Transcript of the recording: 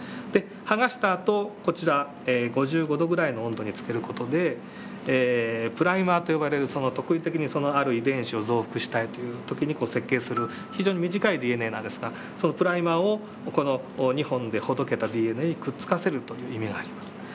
剥がしたあとこちら５５度ぐらいの温度につける事でプライマーと呼ばれる特異的にある遺伝子を増幅したいという時に設計する非常に短いＤＮＡなんですがそのプライマーをこの２本でほどけたＤＮＡにくっつかせるという意味があります。